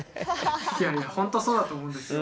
いやいやほんとそうだと思うんですよ。